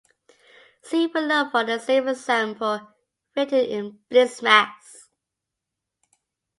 See below for the same example written in BlitzMax.